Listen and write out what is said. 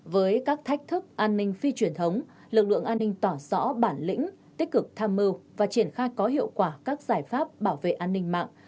với các thách thức an ninh phi truyền thống lực lượng an ninh tỏ rõ bản lĩnh tích cực tham mưu và triển khai có hiệu quả các giải pháp bảo vệ an ninh mạng